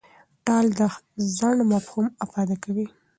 ټال د ځنډ مفهوم افاده کوي.